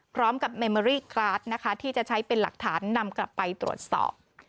พร้อมกับเมมอรี่กราดนะคะที่จะใช้เป็นหลักฐานนำกลับไปตรวจสอบ